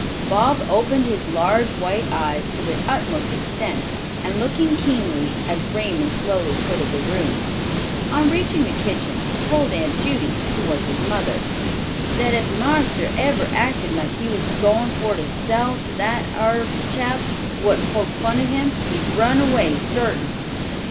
Bob opened his large white eyes to their utmost extent, and looking keenly at Raymond slowly quitted the room. On reaching the kitchen he told Aunt Judy, who was his mother, "that ef marster ever acted like he was goin' for to sell him to that ar chap, what poked fun at him, he'd run away, sartin."